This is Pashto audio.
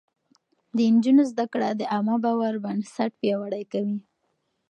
د نجونو زده کړه د عامه باور بنسټ پياوړی کوي.